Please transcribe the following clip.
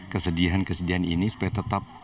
kesedihan kesedihan ini supaya tetap